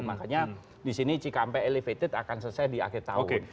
makanya disini cikampek elevated akan selesai di akhir tahun